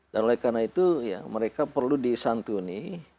dan oleh karena itu mereka perlu disantuni